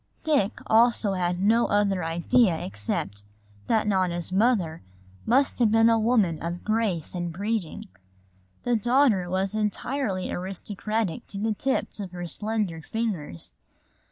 Dick also had no other idea except that Nona's mother must have been a woman of grace and breeding. The daughter was entirely aristocratic to the tips of her slender fingers.